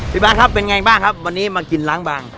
บาทครับเป็นไงบ้างครับวันนี้มากินล้างบาง